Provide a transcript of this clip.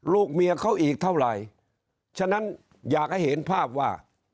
ลูกเมียเขาอีกเท่าไหร่ฉะนั้นอยากให้เห็นภาพว่า